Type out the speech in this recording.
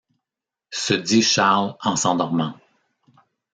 se dit Charles en s’endormant.